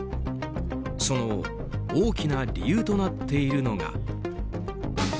その大きな理由となっているのが。